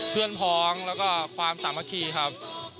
เพื่อนพ้องแล้วก็ความสามัคคีครับ